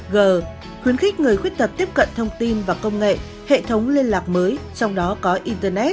g khuyến khích người khuyết tật tiếp cận thông tin và công nghệ hệ thống liên lạc mới trong đó có internet